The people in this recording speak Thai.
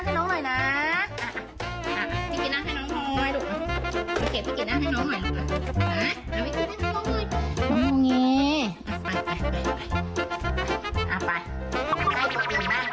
ทำอย่างไรดีล่ะน้องอยากให้หนูนั่งล่ะลูก